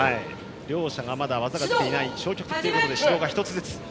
両者技が出ていない消極的ということで指導が１つずつ。